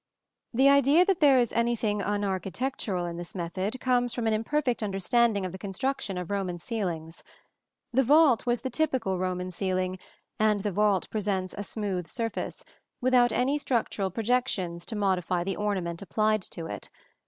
The idea that there is anything unarchitectural in this method comes from an imperfect understanding of the construction of Roman ceilings. The vault was the typical Roman ceiling, and the vault presents a smooth surface, without any structural projections to modify the ornament applied to it.